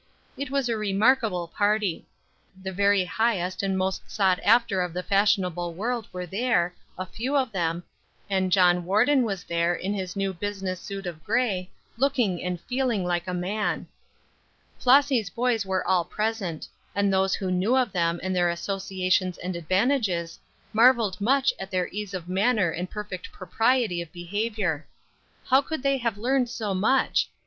It was a remarkable party. The very highest and most sought after of the fashionable world were there, a few of them, and John Warden was there in his new business suit of grey, looking and feeling like a man. Flossy's boys were all present, and those who knew of them and their associations and advantages, marvelled much at their ease of manner and perfect propriety of behaviour. How could they have learned so much?